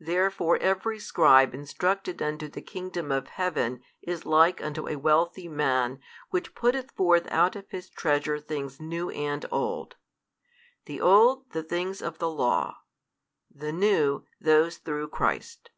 Therefore every scribe instructed unto the kingdom of heaven is like unto a wealthy 14 man which putteth forth out of his treasure things new and old: the old the things of the Law, the new those through Christ.